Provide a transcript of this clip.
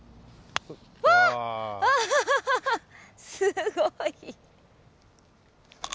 わー、すごい。